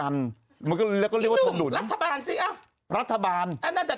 น่าจะพูดรัฐบาลไม่ได้